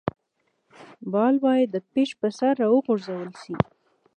بال باید د پيچ پر سر راوغورځول سي.